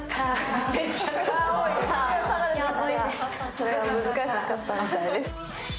それが難しかったみたいです。